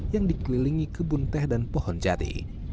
yang dikelilingi kebun teh dan pohon jati